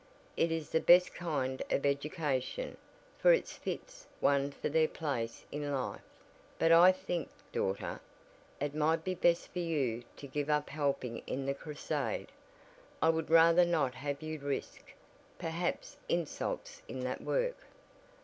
It is the best kind of education, for it fits one for their place in life: but I think, daughter, it might be best for you to give up helping in the crusade. I would rather not have you risk perhaps insults in that work."